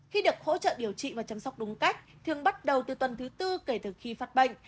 khi được hỗ trợ điều trị và chăm sóc đúng cách thường bắt đầu từ tuần thứ tư kể từ khi phát bệnh